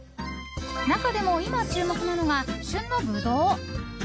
中でも今、注目なのが旬のブドウ！